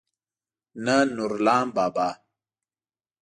نه نورلام بابا.